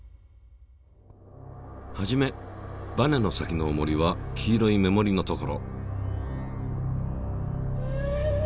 初めバネの先のおもりは黄色い目盛りの所。